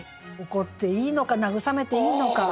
怒っていいのか慰めていいのか。